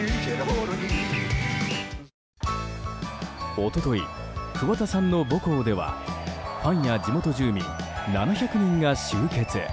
一昨日、桑田さんの母校ではファンや地元住民７００人が集結。